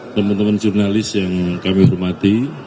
teman teman jurnalis yang kami hormati